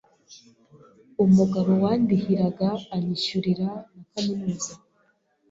u mugabo wandihiraga anyishyurira na kaminuza